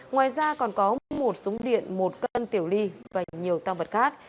ngoài ra còn có một súng điện một cân tiểu ly và nhiều tăng vật khác